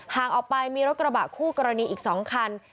ห่างออกไปมีรถกระบะคู่กรณีอีก๒คัน